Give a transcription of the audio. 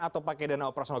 atau pakai dana operasional